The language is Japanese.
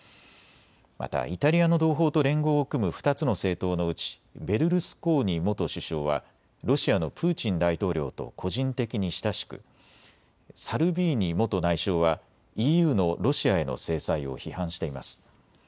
またイタリアの同胞と連合を組む２つの政党のうちベルルスコーニ元首相はロシアのプーチン大統領と個人的に親しく、サルビーニ元内相はＥＵのロシアへの制裁を批判しています。